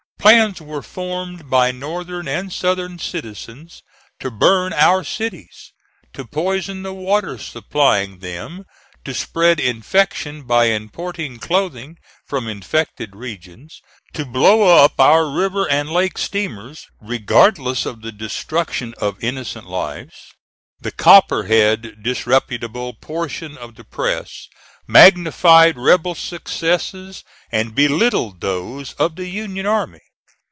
Plans were formed by Northern and Southern citizens to burn our cities, to poison the water supplying them, to spread infection by importing clothing from infected regions, to blow up our river and lake steamers regardless of the destruction of innocent lives. The copperhead disreputable portion of the press magnified rebel successes, and belittled those of the Union army.